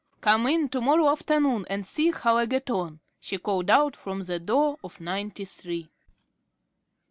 "Come in to morrow afternoon and see how I get on," she called out from the door of Ninety three.